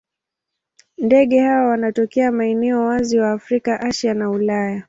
Ndege hawa wanatokea maeneo wazi wa Afrika, Asia na Ulaya.